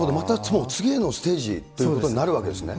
もう次へのステージということになるわけですね。